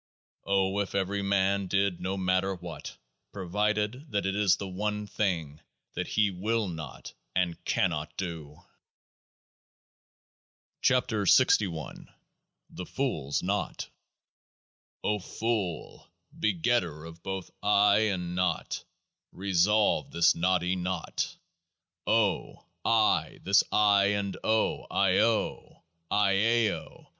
O if everyman did No Matter What, provided that it is the one thing that he will not and cannot do ! 77 KEOAAH SA THE FOOL'S KNOT O Fool ! begetter of both I and Naught, re solve this Naught y Knot ! 0 ! Ay ! this I and O— IO !— IAO